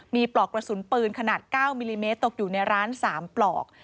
มีปลอกกระสุนปืนขนาด๙มิลลิเมตรตกอยู่ในร้าน๓ปลอก